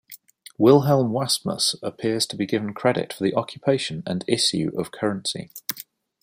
Wilhelm Wassmuss appears to be given credit for the occupation and issue of currency.